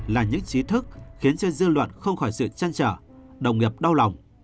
là những trí thức khiến cho dư luận không khỏi sự chăn trở đồng nghiệp đau lòng